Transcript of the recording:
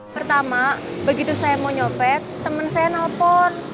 pertama begitu saya mau nyopet temen saya nelpon